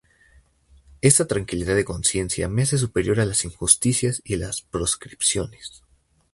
Esta tranquilidad de conciencia me hace superior a las injusticias y a las proscripciones".